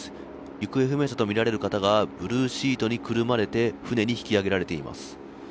行方不明者とみられる方がブルーシートにくるまれて舟に引き揚げられています。